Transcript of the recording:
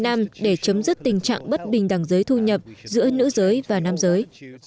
bảy mươi năm để chấm dứt tình trạng bất bình đẳng giới thu nhập giữa nữ giới và nam giới